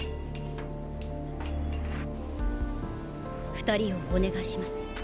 二人をお願いします。